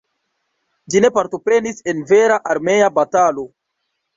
Ĝi ne partoprenis en vera armea batalo.